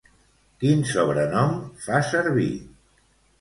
Quin sobrenom fa servir?